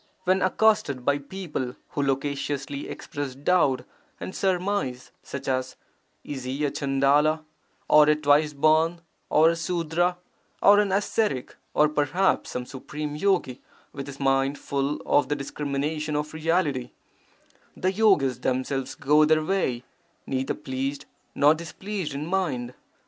When accosted by people who loquaciously express doubt and surmise, such as, 'Is he a Chandala , or a twice born, or a Sudra, or an ascetic, or perhaps some supreme yogi with his mind full of the discrimination of Reality,' the yogis themselves go their way, neither pleased nor displeased in mind.